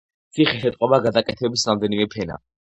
ციხეს ეტყობა გადაკეთების რამდენიმე ფენა.